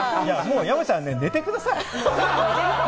山ちゃん、もう寝てください！